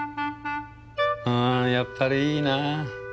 あやっぱりいいな。